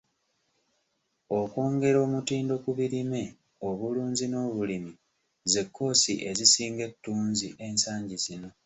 Okwongera omutindo ku birime, obulunzi n'obulimi ze kkoosi ezisinga ettunzi ensangi zino.